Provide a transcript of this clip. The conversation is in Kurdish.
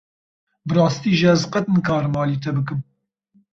Bi rastî jî ez qet nikarim alî te bikim.